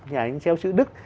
nhà anh treo chữ đức